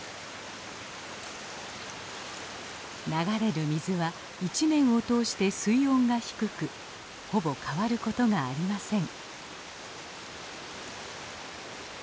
流れる水は一年を通して水温が低くほぼ変わることがありません。